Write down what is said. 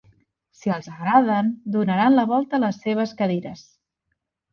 Si els agraden, donaran la volta a les seves cadires.